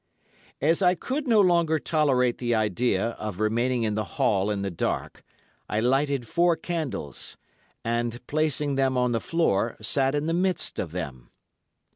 As I could no longer tolerate the idea of remaining in the hall in the dark, I lighted four candles, and, placing them on the floor, sat in the midst of them.